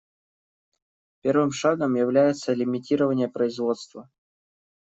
Первым шагом является лимитирование производства.